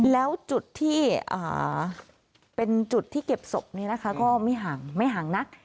แล้วจุดที่เป็นจุดที่เก็บศพก็ไม่ห่างนะ